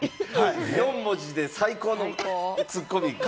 ４文字で最高のツッコミ。